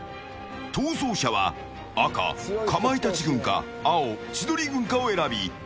逃走者は赤、かまいたち軍か青、千鳥軍かを選び